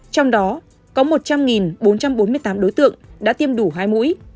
trong đó có một trăm linh bốn trăm bốn mươi tám đối tượng đã tiêm đủ hai mũi